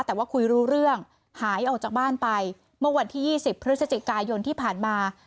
แต่ว่าคุยรู้เรื่องหายออกจากบ้านไปเมื่อวันที่๒๐พฤศจิกายนที่ผ่านมา